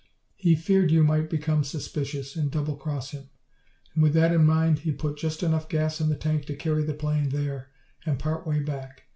He feared you might become suspicious and double cross him, and with that in mind he put just enough gas in the tank to carry the plane there and part way back.